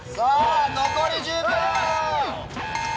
残り１０秒！